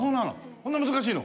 そんなに難しいの？